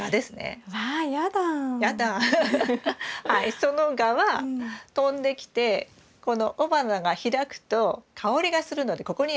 そのガは飛んできてこの雄花が開くと香りがするのでここにやって来ます。